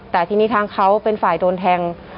แต่ทีนี้ทางเขาเป็นฝ่ายโดนแทง